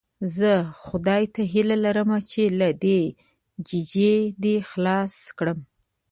زه خدای ته هیله لرم چې له دې ججې دې خلاص کړم.